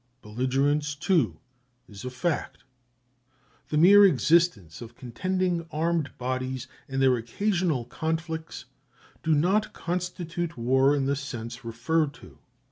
Belligerence, too, is a fact. The mere existence of contending armed bodies and their occasional conflicts do not constitute war in the sense referred to.